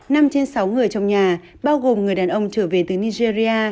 năm trên sáu người trong nhà bao gồm người đàn ông trở về từ nigeria